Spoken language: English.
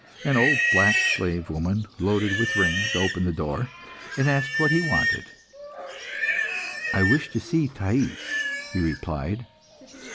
An old black slave woman, loaded with rings, opened the door, and asked what he wanted. "I wish to see Thais," he replied.